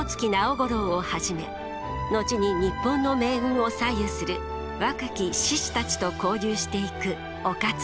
五郎をはじめ後に日本の命運を左右する若き志士たちと交流していく於一。